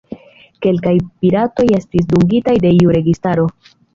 Kelkaj piratoj estis dungitaj de iu registaro.